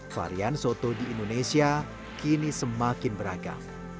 varian soto di indonesia kini semakin beragam